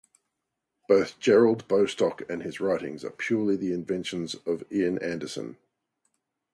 Both Gerald Bostock and his writings are purely the inventions of Ian Anderson.